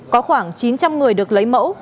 có khoảng chín trăm linh người được lấy mẫu